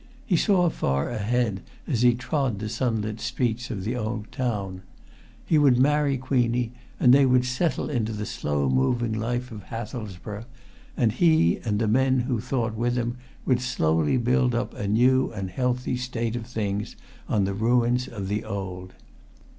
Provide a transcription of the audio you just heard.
He saw far ahead as he trod the sunlit streets of the old town. He would marry Queenie and they would settle into the slow moving life of Hathelsborough, and he and men who thought with him would slowly build up a new and healthy state of things on the ruins of the old.